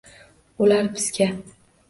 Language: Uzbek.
Ular bizga